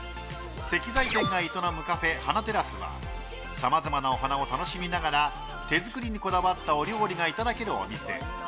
石材店が営むカフェｈａｎａｔｅｒｒａｃｅはさまざまなお花を楽しみながら手作りにこだわったお料理がいただけるお店。